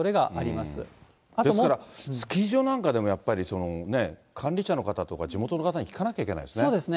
ですから、スキー場なんかでもやっぱり管理者の方とか地元の方に聞かなきゃそうですね。